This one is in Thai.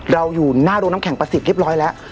อยู่หน้าโรงน้ำแข็งประสิทธิ์เรียบร้อยแล้ว